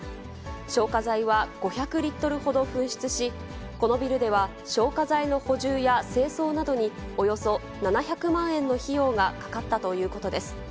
消火剤は５００リットルほど噴出し、このビルでは消火剤の補充や清掃などにおよそ７００万円の費用がかかったということです。